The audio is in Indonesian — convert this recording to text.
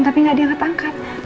tapi gak ada yang ketangkat